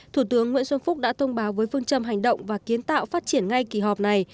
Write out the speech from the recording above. thủ tướng nguyễn xuân phúc đã thông báo với phương châm hành động và kiến tạo phát triển ngay kỳ họp này